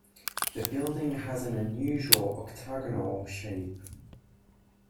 The building has an unusual octagonal shape.